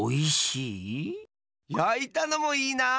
やいたのもいいな！